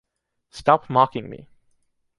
Stop mocking me.